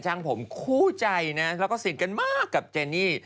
ผมคู่ใจนะแล้วก็สนิทกันมากกับเจนี่